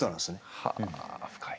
はあ深い。